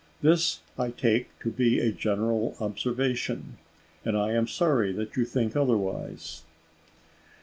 This I take to be a general observation; and I am sorry that you think otherwise."